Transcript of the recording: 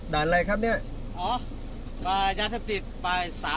ด่านไรครับเนี้ย